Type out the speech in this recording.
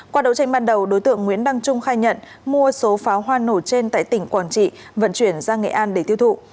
qua đấu tranh ban đầu đối tượng nguyễn đăng trung khai nhận mua số pháo hoa nổ trên tại tỉnh quảng trị vận chuyển ra nghệ an để tiêu thụ